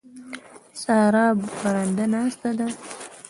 سارا برنده ناسته ده.